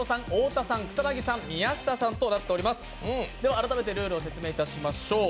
改めてルールを説明いたしましょう。